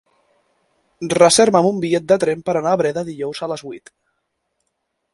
Reserva'm un bitllet de tren per anar a Breda dijous a les vuit.